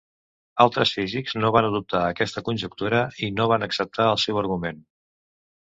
Altres físics no van adoptar aquesta conjectura i no van acceptar el seu argument.